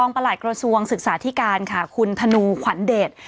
พคสุกษาธิการคุณทนูขวัญเดช